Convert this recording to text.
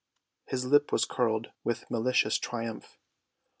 His lip was curled with malicious triumph.